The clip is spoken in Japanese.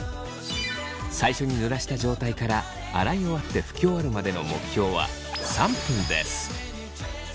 最初にぬらした状態から洗い終わって拭き終わるまでの目標は３分です。